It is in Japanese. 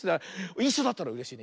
いっしょだったらうれしいね。